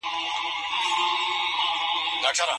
سوسیالیزم د انسان روح په عذابوي.